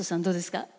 どうですか？